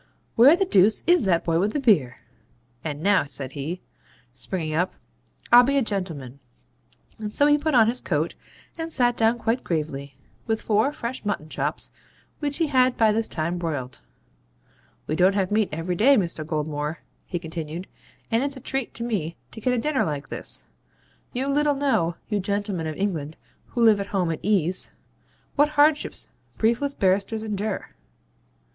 Where the deuce IS that boy with the beer? And now,' said he, springing up, 'I'll be a gentleman.' And so he put on his coat, and sat down quite gravely, with four fresh mutton chops which he had by this time broiled. 'We don't have meat every day, Mr. Goldmore,' he continued, 'and it's a treat to me to get a dinner like this. You little know, you gentlemen of England, who live at home at ease, what hardships briefless barristers endure.'